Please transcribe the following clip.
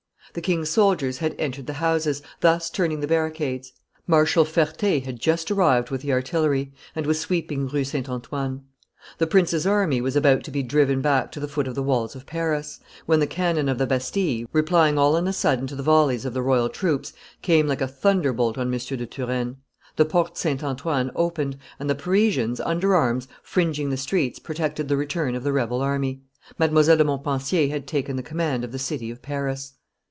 The king's soldiers had entered the houses, thus turning the barricades; Marshal Ferte had just arrived with the artillery, and was sweeping Rue St. Antoine. The princes' army was about to be driven back to the foot of the walls of Paris, when the cannon of the Bastille, replying all on a sudden to the volleys of the royal troops, came like a thunderbolt on M. de Turenne; the Porte St. Antoine opened, and the Parisians, under arms, fringing the streets, protected the return of the rebel army. Mdlle. de Montpensier had taken the command of the city of Paris.